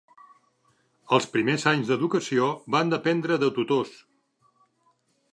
Els primers anys d'educació van dependre de tutors.